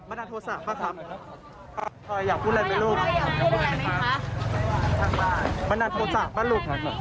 บ้านาโทสะบ้านลูกว่าแบบนี้ครับบ้านาโทสะบ้านลูก